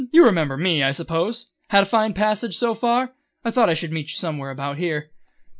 You remember me, I suppose? Had a fine passage, so far? I thought I should meet you somewhere about here."